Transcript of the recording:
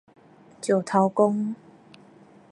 石頭公